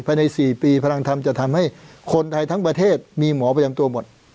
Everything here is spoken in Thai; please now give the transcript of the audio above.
ภายใน๔ปีพลังธรรมจะทำให้คนไทยทั้งประเทศมีหมอประจำตัวหมด